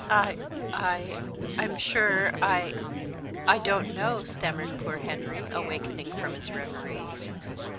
"I I I'm sure I I don't know," stammered poor Henry, awakening from his reverie.